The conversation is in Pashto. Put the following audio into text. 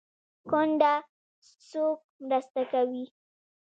کونډه څوک مرسته کوي؟